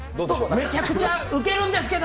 めちゃくちゃ受けるんですけど。